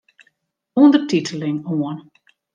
Undertiteling oan.